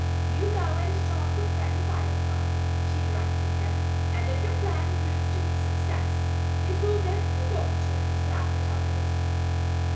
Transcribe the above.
"You go and talk with Freddie Firefly," she directed him, "and if your plan proves to be a success, it will then be your turn to laugh at others."